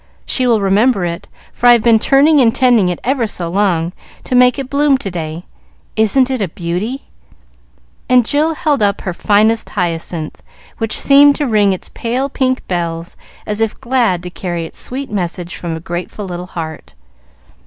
She will remember it, for I've been turning and tending it ever so long, to make it bloom to day. Isn't it a beauty?" and Jill held up her finest hyacinth, which seemed to ring its pale pink bells as if glad to carry its sweet message from a grateful little heart.